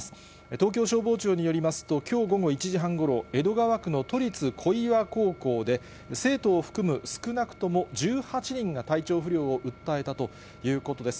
東京消防庁によりますと、きょう午後１時半ごろ、江戸川区の都立小岩高校で、生徒を含む少なくとも１８人が体調不良を訴えたということです。